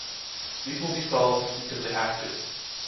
These will be solved, because they have to.